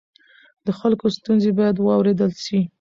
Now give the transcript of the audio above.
د خلکو ستونزې باید واورېدل شي.